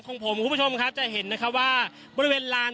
ของผมคุณผู้ชมครับจะเห็นนะคะว่าบริเวณลาน